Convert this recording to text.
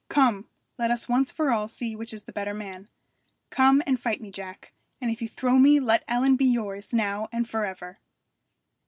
'Come! let us once for all see which is the better man. Come and fight me, Jack, and if you throw me let Ellen be yours now and for ever!'